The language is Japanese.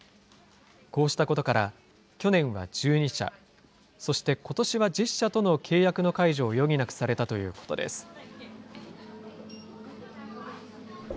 こうしたことから、去年は１２社、そしてことしは１０社との契約の解除を余儀なくされたということです。